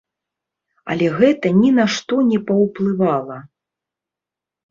Але гэта ні на што не паўплывала.